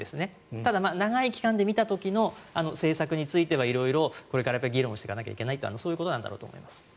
ただ、長い期間で見た時の政策については色々、これから議論していかなきゃいけないというのはそういうことなんだと思います。